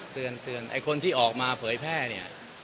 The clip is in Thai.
เตือนไอ้คนที่ออกมาเผยแพร่เนี่ย